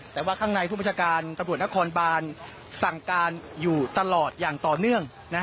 แต่ว่าข้างในผู้บัญชาการตำรวจนครบานสั่งการอยู่ตลอดอย่างต่อเนื่อง